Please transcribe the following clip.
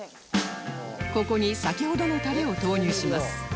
ここに先ほどのタレを投入します